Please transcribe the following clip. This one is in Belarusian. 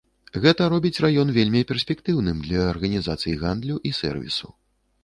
Гэта робіць раён вельмі перспектыўным для арганізацый гандлю і сэрвісу.